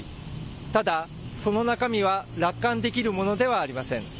ただその中身は楽観できるものではありません。